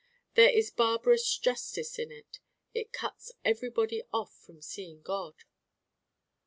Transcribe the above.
There is barbarous justice in it. It cuts everybody off from seeing God.